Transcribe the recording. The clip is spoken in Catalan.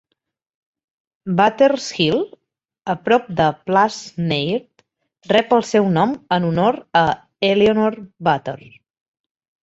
Butler's Hill, a prop de Plas Newydd, rep el seu nom en honor a Eleanor Butler.